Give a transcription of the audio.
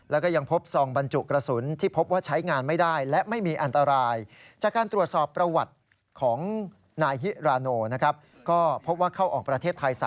แล้วก็ยังพบซองบรรจุกระสุนที่พบว่าใช้งานไม่ได้และไม่มีอันตราย